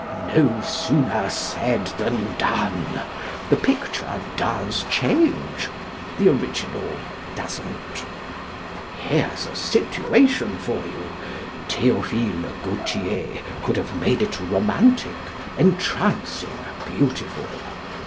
" No sooner said than done! The picture does change: the original doesn't. Here's a situation for you! Théophile Gautier could have made it romantic, entrancing, beautiful.